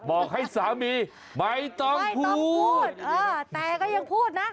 บอกให้สามีไม่ต้องพูดไม่ต้องพูดเออแต่ก็ยังพูดน่ะ